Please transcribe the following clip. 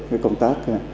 cái công tác